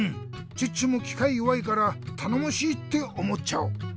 チッチもきかいよわいからたのもしいっておもっちゃう。